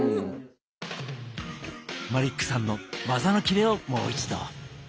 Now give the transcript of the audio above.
マリックさんの技のキレをもう一度。